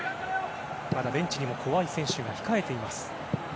まだベンチにも怖い選手が控えています。